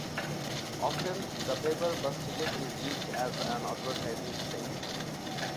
Often, the paper bus ticket is used as an advertising space.